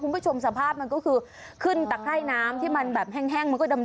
คุณผู้ชมสภาพมันก็คือขึ้นตะไคร่น้ำที่มันแบบแห้งมันก็ดำ